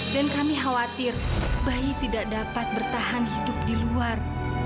dan kami khawatir bayi tidak dapat bertahan hidup di luar